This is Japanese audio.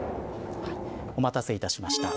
お待たせいたしました。